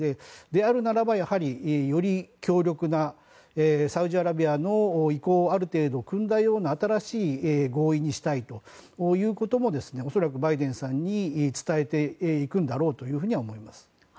であるならば、やはりより強力な、サウジアラビアの意向をある程度くんだような新しい合意にしたいということを恐らく、バイデンさんに伝えていくんだろうと思います。